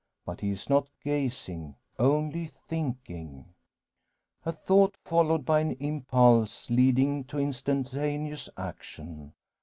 But he is not gazing, only thinking. A thought, followed by an impulse leading to instantaneous action.